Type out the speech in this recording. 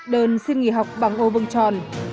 đơn xin nghỉ học bằng ô vương tròn